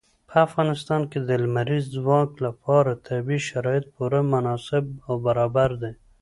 په افغانستان کې د لمریز ځواک لپاره طبیعي شرایط پوره مناسب او برابر دي.